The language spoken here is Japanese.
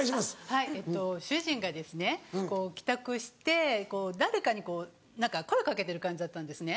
はいえっと主人が帰宅して誰かに声かけてる感じだったんですね。